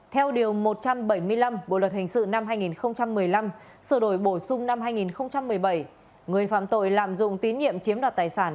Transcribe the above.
theo điều một trăm bảy mươi năm bộ luật hình sự năm hai nghìn một mươi năm sự đổi bổ sung năm hai nghìn một mươi bảy người phạm tội lạm dụng tín nhiệm chiếm đoạt tài sản